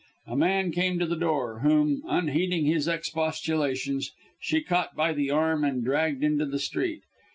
A man came to the door, whom, unheeding his expostulations, she caught by the arm and dragged into the street.